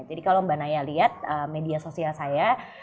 jadi kalau mbak naya lihat media sosial saya